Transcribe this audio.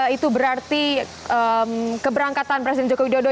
itu berarti keberangkatan presiden jokowi dodo